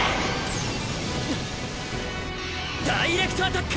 ダイレクトアタック！